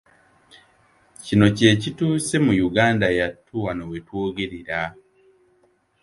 Kino kye kituuse mu Yuganda yattu wano we twogerera.